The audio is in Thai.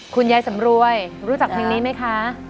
คุณยายสำรวยรู้จักเพลงนี้ไหมคะ